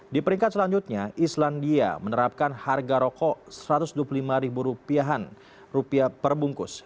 di peringkat selanjutnya islandia menerapkan harga rokok rp satu ratus dua puluh lima perbungkus